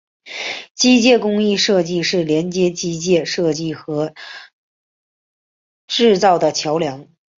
机械工艺设计是连接机械设计和制造的桥梁。